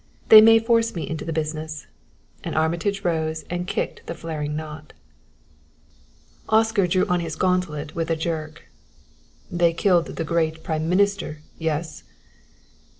They may force me into the business " and Armitage rose and kicked the flaring knot. Oscar drew on his gauntlet with a jerk. "They killed the great prime minister yes?"